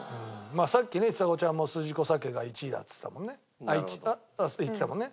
さっきねちさ子ちゃんもすじこさけが１位だっつったもんね言ってたもんね。